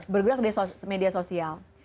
bergerak di media sosial